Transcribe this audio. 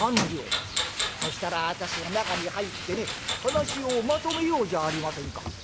そしたら私が中に入ってね話をまとめようじゃありませんか」。